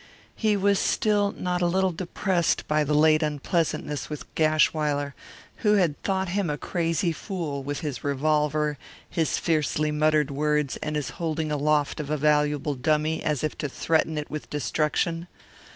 He was still not a little depressed by the late unpleasantness with Gashwiler, who had thought him a crazy fool, with his revolver, his fiercely muttered words, and his holding aloft of a valuable dummy as if to threaten it with destruction.